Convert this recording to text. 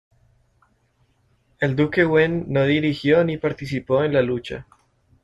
El duque Wen no dirigió ni participó en la lucha.